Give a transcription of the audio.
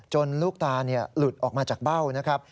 ลูกตาหลุดออกมาจากเบ้านะครับ